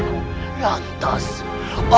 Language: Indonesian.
aku akan menangkapnya